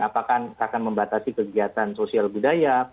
apakah akan membatasi kegiatan sosial budaya